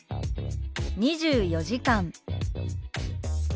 「２４時間」。